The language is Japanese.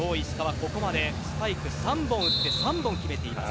ここまでスパイク３本打って３本決めています。